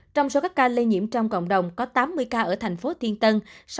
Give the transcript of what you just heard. trong số các ca lây nhiễm trong cộng đồng có tám mươi ca ở thành phố thiên tân